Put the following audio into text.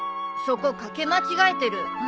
そこ掛け間違えてる。